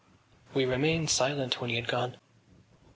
We remained silent when he had gone.